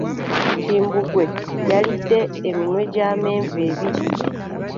Kimbugwe yalidde eminwe gy'amenvu ebiri.